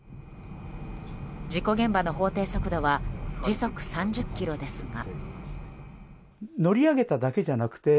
事故現場の法定速度は時速３０キロですが。